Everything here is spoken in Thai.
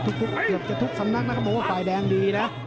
ทุกทุกสำนักนักกระโมงว่าปลายแดงดีนะ